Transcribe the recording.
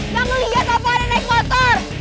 jangan lihat apa ada naik motor